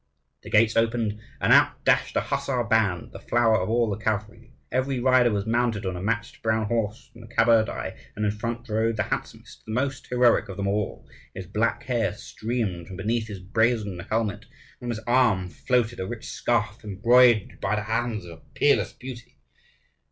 The gates opened, and out dashed a hussar band, the flower of all the cavalry. Every rider was mounted on a matched brown horse from the Kabardei; and in front rode the handsomest, the most heroic of them all. His black hair streamed from beneath his brazen helmet; and from his arm floated a rich scarf, embroidered by the hands of a peerless beauty.